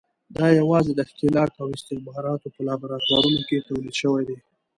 دا یوازې د ښکېلاک او استخباراتو په لابراتوارونو کې تولید شوي دي.